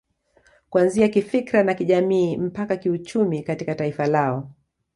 Kuanzia kifikra na kijamii mpaka kiuchumi katika taifa lao